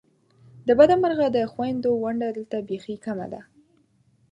د بده مرغه د خوېندو ونډه دلته بیخې کمه ده !